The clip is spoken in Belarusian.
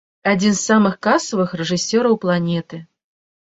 Адзін з самых касавых рэжысёраў планеты.